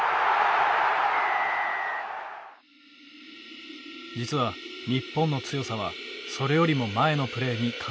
実は日本の強さはそれよりも前のプレーに隠されていた。